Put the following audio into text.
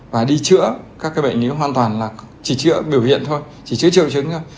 và đi chữa các cái bệnh lý hoàn toàn là chỉ chữa biểu hiện thôi chỉ chữa triệu chứng thôi